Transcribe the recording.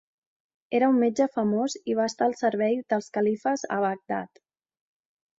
Era un metge famós i va estar al servei dels califes a Bagdad.